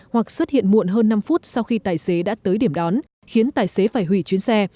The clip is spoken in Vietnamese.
hoặc xuất hiện muộn hơn năm phút sau khi tài xế đã tới điểm đón khiến tài xế phải hủy chuyến xe